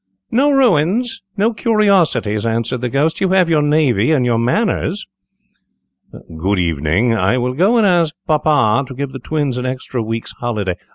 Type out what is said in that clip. "No ruins! no curiosities!" answered the Ghost; "you have your navy and your manners." "Good evening; I will go and ask papa to get the twins an extra week's holiday."